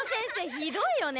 ひどいよね。